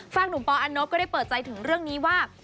หนุ่มปออันนบก็ได้เปิดใจถึงเรื่องนี้ว่า